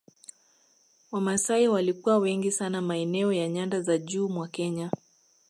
Wamasai walikuwa wengi sana maeneo ya nyanda za juu mwa Kenya